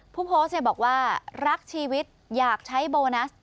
ผู้โพสต์เนี่ยบอกว่ารักชีวิตอยากใช้โบนัส